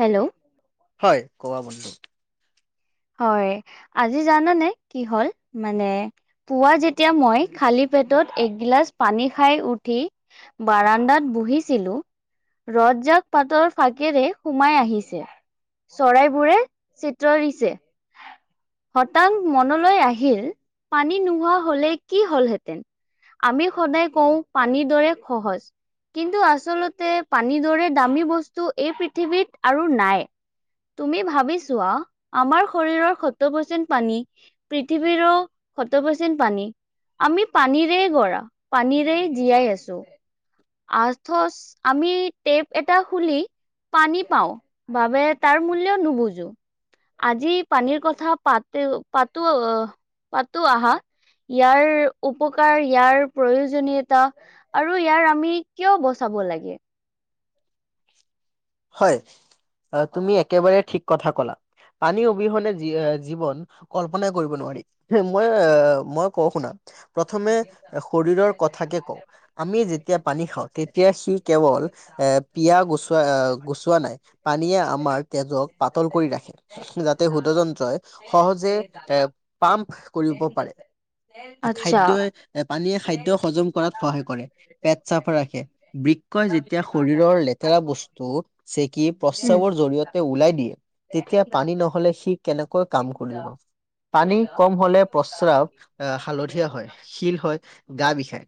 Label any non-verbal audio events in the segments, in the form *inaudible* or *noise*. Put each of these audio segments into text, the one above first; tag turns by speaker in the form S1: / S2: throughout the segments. S1: Hello
S2: হয় কোৱা বন্ধু।
S1: হয় আজি জানানে কি হ'ল মানে পুৱা যেতিয়া মই, খালী পেটত এগিলাচ পানী খাই উঠি বাৰাণ্ডাত বহিছিলো, ৰ'দ জাক পাতৰ ফাঁকেৰে, সুমাই আহিছে। চৰাইবোৰে চিত্ৰ দিছে। হঠাৎ মনলৈ আহিল পানী নোহোৱা হলে কি হ'লহেঁতেন? আমি সদায় কওঁ, পানীৰ দৰে সহজ। কিন্তু আচলতে পানীৰ দৰে দামী বস্তু, এই পৃথিৱীত আৰু নাই। তুমি ভাবিচোৱা আমাৰ শৰীৰৰ সত্তৰ পাৰচেণ্ট পানী, পৃথিৱীৰো সত্তৰ পাৰচেন্টেজ পানী আমি পানীৰেই গঢ়া, পানীৰেই জীয়াই আছো। আথচ আমি টেপ এটা খুলি পানী পাওঁ বাবে তাৰ মূল্যও নুবুজো, আজি পানীৰ কথা পাতো পাতো অহ পাতো আহা ইয়াৰ উপকাৰ ইয়াৰ প্ৰয়োজনীয়তা আৰু ইয়াৰ আমি কিয় বচাব লাগে?
S2: হয়', তুমি একেবাৰে ঠিক কথা কলা, পানী অবিহনে জীয়ে জীৱন কল্পনাই কৰিব নোৱাৰি, মই- মই কওঁ শুনা। প্ৰথমে শৰীৰৰ কথাকে কওঁ। আমি যেতিয়া পানী খাওঁ, তেতিয়া সি কেৱল এ' পিয়া গচোৱা এ' গুচোৱা নাই পানীয়ে আমাৰ তেজক পাতল কৰি ৰাখে, যাতে শুদযন্ত্ৰই সহজে এ' পাম্প কৰিব পাৰে।
S1: *unintelligible*
S2: খাদ্যই' পানীয়ে খাদ্য হজম কৰাত কৰে। পেট চাফ ৰাখে, বৃকই যেতিয়া শৰীৰৰ লেতেৰা বস্তু চেকি
S1: উম।
S2: প্ৰসাৱৰ জৰিয়তে ওলাই দিয়ে, তেতিয়া পানী নহলে সি কেনেক কৈ কাম কৰিব। পানী কম হলে প্ৰস্ৰাৱ হালধীয়া হয়, শিল হয়, গা বিষাই।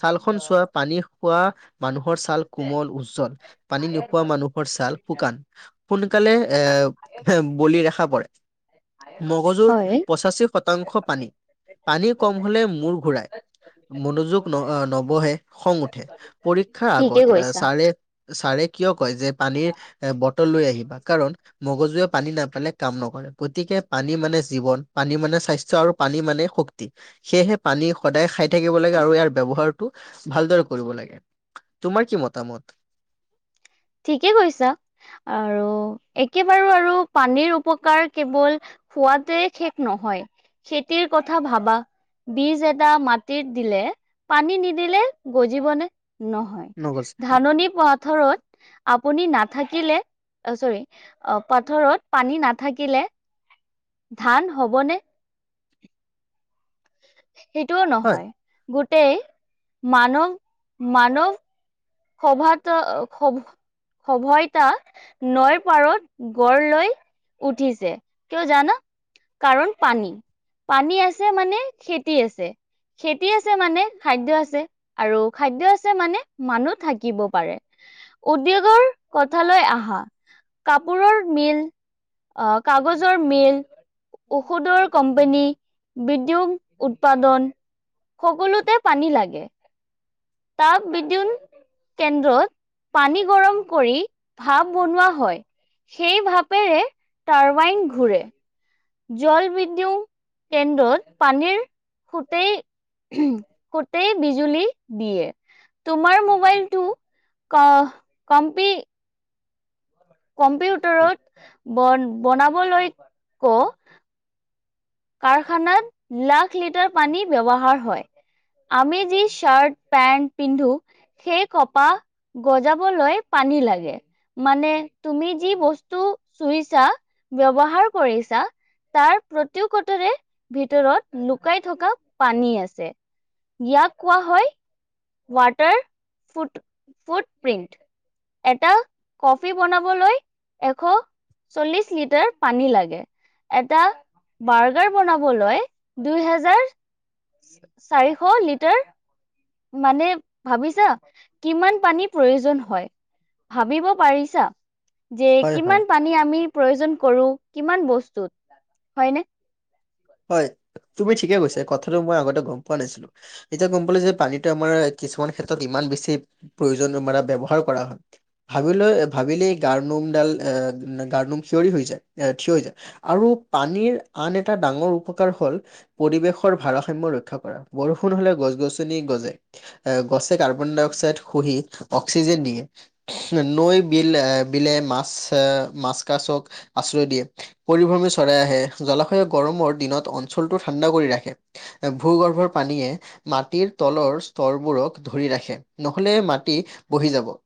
S2: ছাল খন চোৱা পানী খোৱা মানুহৰ ছাল কোমল উজ্জ্বল, পানী নো খোৱা মানুহৰ ছাল শুকান, সোনকালে এ বলি ৰেখা পৰে। মগজুৰ
S1: হয়।
S2: পঁচাশী শতাংশ পানী। পানী কম হলে মূৰ ঘূৰাই। মনোযোগ ন নবহে খং উঠে পৰীক্ষাৰ
S1: ঠিকে
S2: আগত
S1: কৈছা,
S2: চাৰে ছাৰে কিয় কয় যে পানীৰ এ বটল লৈ আহিবা কাৰণ মগজুৱে পানী নাপালে কাম নকৰে, গতিকে পানী মানে জীৱন পানী মানে স্বাস্থ্য আৰু পানী মানে শক্তি। সেয়েহে পানী সদায় খায় থাকিব লাগে, আৰু ইয়াৰ ব্যৱহাৰটো ভালদৰে কৰিব লাগে। তোমাৰ কি মতামত?
S1: ঠিকেই কৈছা আৰু একেবাৰো আৰু পানীৰ উপকাৰ কেৱল খোৱাতে শেষ নহয় খেতিৰ কথা ভাবা বীজ এটা মাটিত দিলে, পানী নিদিলে গজিবনে? নহয়।
S2: নগজ
S1: ধাননি পথাৰত আপুনি নাথাকিলে, অ চৰি অ' পথাৰত পানী নাথাকিলে ধান হবনে? সেইটোও
S2: হয়
S1: নহয়, গোটেই মানৱ মানৱ সভাত খব সভয়তা নৈৰ পাৰত গঢ় লৈ উঠিছে, কিয় জানা কাৰণ পানী। পানী আছে মানে খেতি আছে। খেতি আছে মানে খাদ্য আছে, আৰু খাদ্য আছে মানে মানুহত থাকিব পাৰে। উদ্যোগৰ কথালৈ আহা কাপোৰৰ মিল অ', কাগজৰ মিল ঔষধৰ কোম্পানী বিদ্যেগ উৎপাদন সকলোতে পানী লাগে। তাপ বিদ্যুন কেন্দ্ৰত পানী গৰম কৰি ভাপ বনোৱা হয়। সেই ভাপেৰে টাৰৱাইন ঘূৰে। জল বিদ্যু কেন্দ্ৰত পানীৰ সোতেই সুতে বিজুলী দিয়ে। তোমাৰ মোবাইলটো ক কম্পি কম্পিউটাৰত বন বনাবলৈ কওঁ কাৰখানাত লাখ লিটাৰ পানী ব্যৱহাৰ হয়। আমি যি চাৰ্ট পেন্ট পিন্ধো সেই কপা গজাবলৈ পানী লাগে। মানে তুমি যি বস্তু চুইছা ব্যৱহাৰ কৰিছা তাৰ প্ৰতি কটেৰে ভিতৰত লুকাই থকা পানী আছে। ইয়াক কোৱা হয় ৱাটাৰ ফুট ফুট প্ৰ্ৰিণ্ট। এটা কফি বনাবলৈ এশ চল্লিশ লিটাৰ পানী লাগে। এটা বাৰ্গাৰ বনাবলৈ দুই হোজাৰ চাৰিশ লিটাৰ মানে ভাবিছা কিমান পানীৰ প্ৰয়োজন হয়। ভাবিব পাৰিছা। যে
S2: হয় হয়
S1: কিমান পানী আমি প্ৰয়োজন কৰো কিমান বস্তুত হয়নে।
S2: হয় তুমি ঠিকে কৈছা, কথাটো মই আগতে কম পোৱা নাছিলো, এতিয়া গ'ম পালোঁ যে, পানীতটো আমাৰ কিছুমান ক্ষেত্ৰত ইমান বেছি প্ৰয়োজন মানে ব্যৱহাৰ কৰা হয় ভাবিলৈ, ভাবিলেই গাৰ নোমডাল, এ গাৰ নোম থিয়ৰি হৈ যায় এ থিয় হৈ যায়। আৰু পানীৰ আন এটা ডাঙৰ উপকাৰ হ'ল, পৰিৱেশৰ ভাৰসাম্য ৰক্ষা কৰা, বৰষুণ হলে গছ গছনি গজে। অ', গছে কাৰ্বন ডাই অক্সাইড শুহি অক্সিজেন দিয়ে। নৈ বিল, বিলে মাছএ, মাছ কাছক আশ্ৰয় দিয়ে। পৰিভ্ৰমী চৰাই আহে, জলাশয়ে গৰমৰ দিনত অঞ্চলটো ঠাণ্ডা ৰাখে। ভূগৰ্ভৰ পানীয়ে মাটিৰ তলৰ স্তৰবোৰক ধৰি ৰাখে নহ'লে মাটি বহি যাব।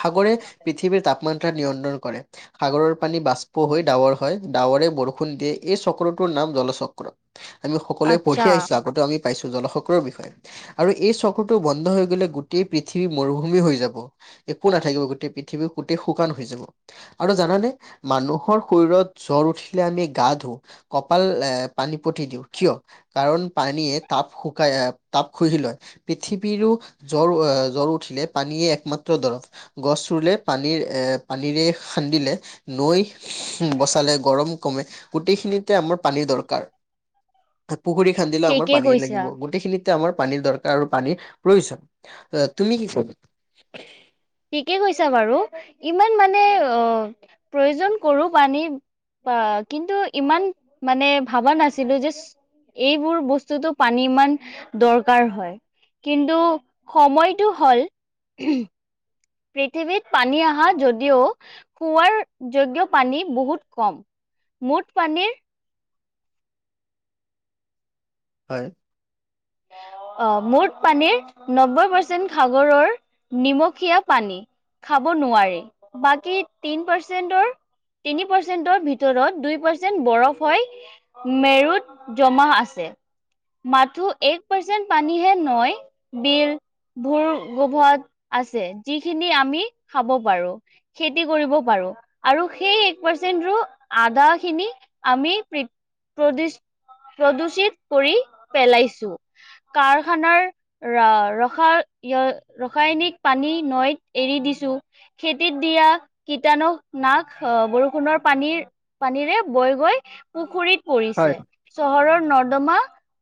S2: সাগৰে পৃথিৱীৰ তাপমান নিয়ন্ত্ৰণ কৰে সাগৰৰ পানী বাষ্প হৈ ডাৱৰ হয়, ডাৱৰে বৰষুণ ষুণ দিয়ে এই চক্ৰটোৰ নাম জল চক্ৰ আমি সকলোৱে
S1: আচ্ছা
S2: পঢ়ি আহিছোঁ আগ এইটো আমি পাইছোঁ জলশক্ৰৰ বিষয়ে আৰু এই চক্ৰটো বন্ধ হৈ গ'লে গোটেই পৃথিৱী মৰুভূমি হৈ যাব। একো নাথাকিব, গোটেই পৃথিৱী গোটেই শুকান হৈ যাব। আৰু জানানে, মানুহৰ শৰীৰত উঠি দে আমি গা ধুও। কপাল এ পানী পটি দিওঁ কিয় কাৰণ পানীয়ে তাপ শুকাই, আহ তাপ শুহি লয় পৃথিৱীৰো জ্বৰ এ, জ্বৰ উঠিলে পানীয়ে একমাত্ৰ দৰৱ গছ ৰুলে পানীৰ এ পানীৰে খান্দিলে নৈ বচালে গৰম কমে, গোটেইখিনিতে আমাৰ পানীৰ দৰকা কাৰ। পুখুৰী খান্দিলেও আমাৰ
S1: ঠিকেই
S2: পানীয়ে লাগিব
S1: কৈছা।
S2: গোটেইখিনিত আমাৰ পানীৰ দৰকাৰ আৰু পানীৰ প্ৰয়োজন তুমি কি ক
S1: ঠিকে কৈছা বাৰু। ইমান মানে অ' প্ৰয়োজন কৰোঁ পানী বা, কিন্তু ইমান মানে ভাবা নাছিলো যে এইবোৰ বস্তুতটো পানী ইমান দৰকাৰ হয় কিন্তু, সময়টো হ'ল পৃথিৱীত পানী আহা যদিও, খোৱাৰ যোগ্য পানী বহুত কম মুঠ পানীৰ
S2: হয়
S1: অ' মুঠ পানীৰ নব্বৈ পাৰ্চেণ্ট সাগৰৰ নিমখীয়া পানী খাব নোৱাৰি। বাকী তিন পাৰ্চেন্টৰ তিনি পাৰ্চেণ্টৰ ভিতৰত দুই পাৰ্চেন্ট বৰফ হয় মেৰুত জমা আছে, মাথোঁ এক পাৰ্চেণ্ট পানীহে নয়, বিল ভোৰ গোভত আছে, যিখিনি আমি খাব পাৰোঁ। খেতি কৰিব পাৰোঁ। আৰু সেই এক পাৰ্চেন্টৰো আদা খিনি আমি প্ৰি, প্ৰদূ, প্ৰদূচিত কৰি পেলাইছোঁ। কাৰখানাৰ ৰ, ৰসা, য়নি, ৰাসায়নিক পানী নৈত এৰি দিছো খেতিত দিয়া, কীটানু নাশ, অ' -বৰষুণৰ পানীৰ পানীৰে বৈ গৈ পুখুৰীত পৰিছে চহৰৰ নৰ্দমা,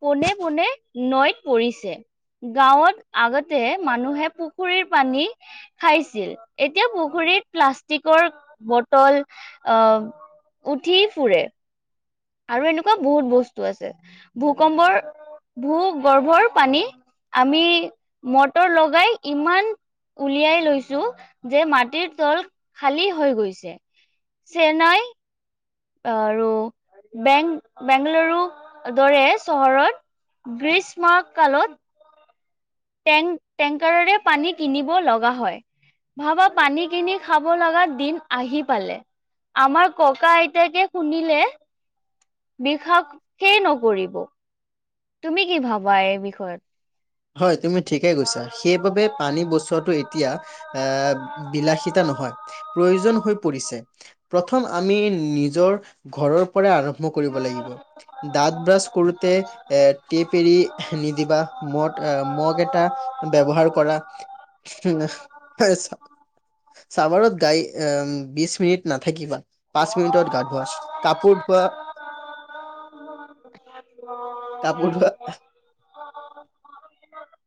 S1: পোনে পোনে নৈত পৰিছে। গাঁৱত আগতে মানুহে পুখুৰীৰ পানী খাইছিল। এতিয়া পুখুৰীত প্লাষ্টিকৰ বটল আ উঠি ফুৰে আৰু এনেকুৱা বহুত বস্তু আছে। ভূকম্পৰ ভূ গৰ্ভৰ পানী আমি মটৰ লগাই ইমান উলিয়াই লৈছো যে মাটিৰ তল খালী হৈ গৈছে চেন্নাই আৰু বেং বেংগালুৰু দৰে চহৰত গ্ৰীষ্ম কালত টেং টেংকাৰৰে পানী কিনিব লগা হয় ভাবা পানী কিনি খাব লগা দিন আহি পালে আমাৰ ককা আইতাকে শুনিলে বিশ্বাসেই নকৰিব তুমি কি ভাবা এই বিষয়ত
S2: হয় তুমি ঠিকে কৈছা সেইবাবে পানী বচোৱাটো এতিয়া আহ বিলাসিতা নহয় প্ৰয়োজন হৈ পৰিছে প্ৰথম আমি নিজৰ ঘৰৰ পৰাই আৰম্ভ কৰিব লাগিব দাঁত ব্ৰাছ কৰোতে এ টেপ এৰি নিদিবা মদ আ মগ এটা ব্যৱহাৰ কৰা। চাবাৰত গাই বিশ মিনিট নাথাকিবা। পাঁচ মিনিটত গা ধোৱা, কাপোৰ ধোৱা
S1: *inaudible*
S2: কাপোৰ ধোৱা
S1: *inaudible*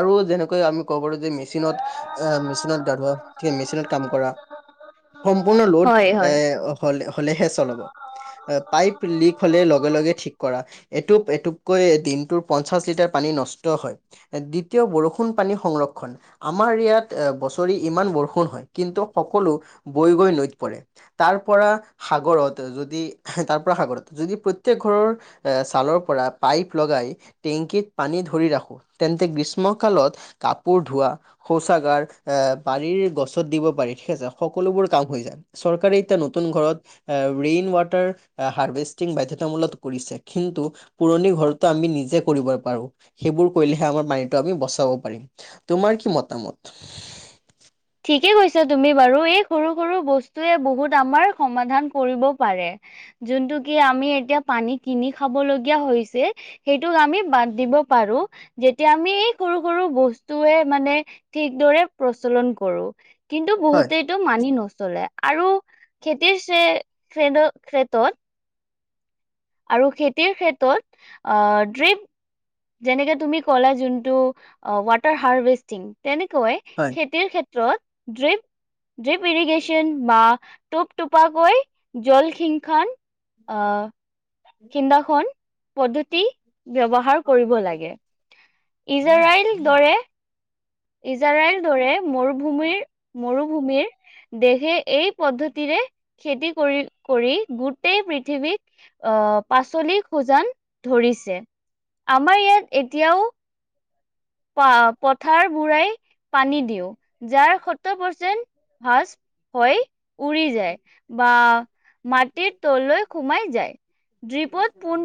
S2: আৰু যেনেকৈ আমি ক'ব পাৰো যে মেচিনত আ মেচিনত গা ধোৱা, মেচিনত কাম কৰা সম্পূৰ্ণ লোড
S1: হয়
S2: এ
S1: হয়।
S2: হ'ল হ'লে হে ছল হ'ব। অ পাইপ লিক হ'লে লগে লগে ঠিক কৰা। এটুপ এটুপকৈ দিনটোৰ পঞ্চাশ লিটাৰ পানী নষ্ট হয়। এ দ্বিতীয় বৰষুণ পানী সংৰক্ষণ। আমাৰ ইয়াত এ বছৰি ইমান বৰষুণ হয়, কিন্তু সকলো বৈ গৈ নৈত পৰে। তাৰপৰা সাগৰত যদি তাৰপৰা সাগৰত যদি প্ৰত্যেক ঘৰৰ এহ ছালৰ পৰা পাইপ লগাই টেংকিত পানী ধৰি ৰাখো তেন্তে গ্ৰীষ্মকালত কাপোৰ ধোৱা শৌচাগাৰ, এ বাৰীৰ গছত দিব পাৰি ঠিক আছে সকলোবোৰ কাম হৈ যায়। চৰকাৰে এতিয়া নতুন ঘৰত আহ ৰেইন ৱাটাৰ হাৰ্ভেষ্টিং বাধ্যতামূলত কৰিছে, কিন্তু পুৰণি ঘৰতটো আমি নিজে কৰিব পাৰো, সেইবোৰ কৰিলেহে আমাৰ পানীটো আমি বচাবো পাৰিম। তোমাৰ কি মতামত?
S1: ঠিকে কৈছা তুমি বাৰু এই সৰু সৰু বস্তুৱে বহুত আমাৰ সমাধান কৰিব পাৰে। যোনটো কি আমি এতিয়া পানী কিনি খাব লগীয়া হৈছে সেইটোক আমি বাদ দিব পাৰো। যেতিয়া আমি এই সৰু সৰু বস্তুৱে মানে ঠিক দৰে প্ৰচলন কৰো, কিন্তু
S2: হয়
S1: বহুতেই টো মানি নচলে, আৰু খেতিৰ সে খ্ৰেদো খ্ৰেতত আৰু খেতিৰ ক্ষেত্ৰত আহ ড্ৰিপ যেনেকে তুমি ক'লা যোনটো অ ৱাটাৰ হাৰ্ভেষ্টিং তেনেকৈ
S2: হয়
S1: খেতিৰ ক্ষেত্ৰত ড্ৰিপ ড্ৰিপ ইৰিগেশ্যন বা টোপ টোপাকৈ জলসিংশন আ খিন্দাসন পদ্ধতি ব্যৱহাৰ কৰিব লাগে, ইজৰাইল দৰে ইজৰাইল দৰে মৰুভূমিৰ মৰুভূমিৰ দেশে এই পদ্ধতিৰে খেতি কৰি কৰি গোটেই পৃথিৱীক আহ পাচলি খোজান ধৰিছে, আমাৰ ইয়াত এতিয়াও পা পথাৰ বুৰাই পানী দিওঁ, যাৰ সত্তৰ পাৰ্চেন্ট ভাজ হৈ উৰি যায়, বা মাটিৰ তললৈ সোমাই যায়। ড্ৰিপদ পোন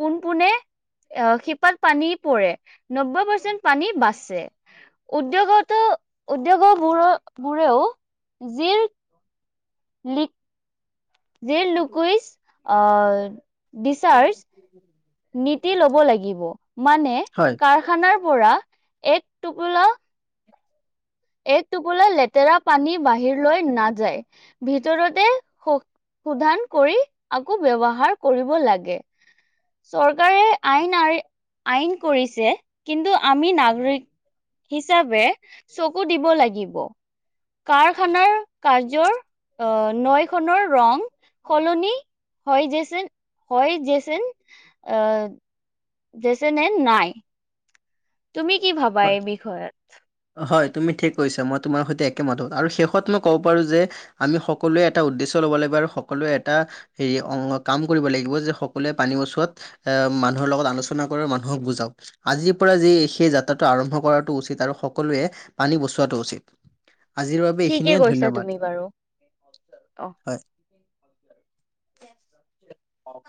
S1: পোনপোনে অহ শিপাত পানী পৰে নব্বৈ পাৰ্চেণ্ট পানী বাচে। উদ্যোগতো উদ্যোগ বোৰও বোৰেও যিৰ লিক জিৰ লুকুইজ আ ডিচাৰ্জ
S2: *inaudible*
S1: নীতি লব লাগিব, মানে
S2: হয়
S1: কাৰখানাৰ পৰা এক টোপোলা এক টোপোলা লেতেৰা পানী বাহিৰ লৈ নাযায় ভিতৰতে স শুধান কৰি আকৌ ব্যৱহাৰ কৰিব লাগে। চৰকাৰে আইন আঁৰি আইন কৰিছে, কিন্তু আমি নাগৰিক হিচাবে চকু দিব লাগিব। কাৰখানাৰ কাৰ্যৰ অ নৈখনৰ ৰং সলনি হয় যেচেন হয় যেচেন অহ। যেচনেন নাই, তুমি কি ভাবা
S2: হয়
S1: এই বিষয়ত?
S2: হয় তুমি ঠিক কৈছা মই তোমাৰ সৈতে একেমত, আৰু শেষত মই ক'ব পাৰোঁ যে আমি সকলোৱে এটা উদ্দেশ্য ল'ব লাগিব আৰু সকলোৱে এটা হেৰি অংগ কাম কৰিব লাগিব যে সকলোৱে পানী বছোৱাত আ মানুহৰ লগত আলোচনা কৰে মানুহক বুজাওক। আজিৰ পৰা যি সেই যা ত্ৰাটো আৰম্ভ কৰাটো উচিত আৰু সকলোৱে পানী বচোৱাটো উচিত। আজিৰ বাবে
S1: ঠিকে
S2: এইখিনিয়ে
S1: কৈছা তুমি
S2: ধন্যবাদ।
S1: বাৰু। অ
S2: হয়
S1: অঁ।